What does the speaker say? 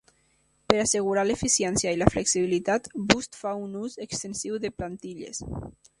Per assegurar l'eficiència i la flexibilitat, Boost fa un ús extensiu de plantilles.